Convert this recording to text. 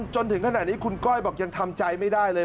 จนถึงขณะนี้คุณก้อยบอกยังทำใจไม่ได้เลย